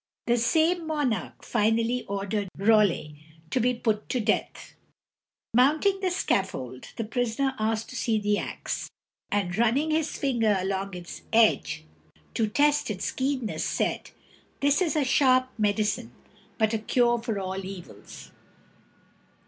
The same monarch finally ordered Raleigh to be put to death. Mounting the scaffold, the prisoner asked to see the ax, and, running his finger along its edge to test its keenness, said: "This is a sharp medicine, but a cure for all evils."